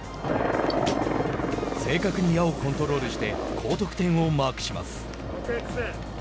正確に矢をコントロールして高得点をマークします。